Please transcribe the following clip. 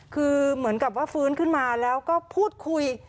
คือเหมือนกับว่าฟื้นขึ้นมาแล้วก็พูดคุย